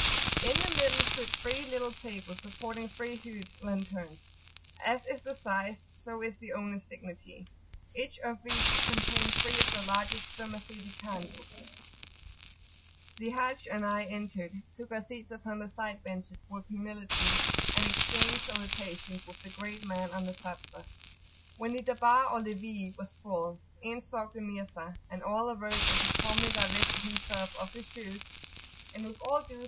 In the middle stood three little tables supporting three huge lanterns as is their size so is the owner's dignity each of which contained three of the largest spermaceti candles. The Haji and I entering took our seats upon the side benches with humility, and exchanged salutations with the great man on the Sadr. When the Darbar or levee was full, in stalked the Mirza, and all arose as he calmly divested himself of his shoes; and with all due [p.